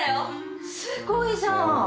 すごいじゃん！